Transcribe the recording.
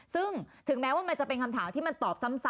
ซึ่งถึงแม้ว่ามันจะเป็นคำถามที่มันตอบซ้ำ